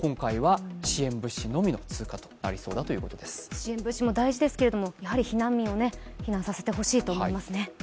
支援物資も大事ですけれどもやはり避難民を避難させてもらいたいと思いますね。